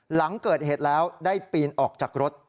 หลังเกิดเหตุแล้วได้ปีนออกจากรถ